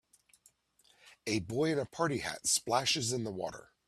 A boy in a party hat splashes in the water